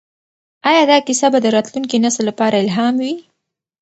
ایا دا کیسه به د راتلونکي نسل لپاره الهام وي؟